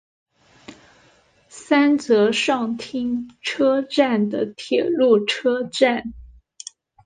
三泽上町车站的铁路车站。